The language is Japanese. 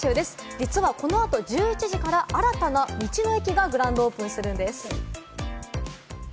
実はこの後１１時から新たな道の駅がグランドオープンするんです。